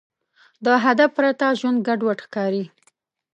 د هدف پرته ژوند ګډوډ ښکاري.